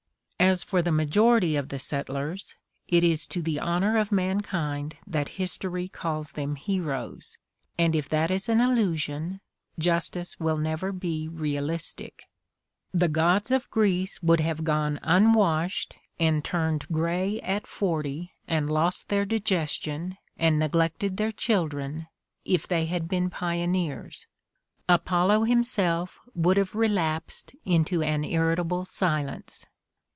As for the major ity of the settlers, it is to the honor of mankind that history calls them heroes; and if that is an illusion, justice will never be realistic. The gods of Greece would have gone unwashed and turned gray at forty and lost 30 The Ordeal of Mark Twain their digestion and neglected their children if they had been pioneers : Apollo himself would have relapsed into an irritable silence.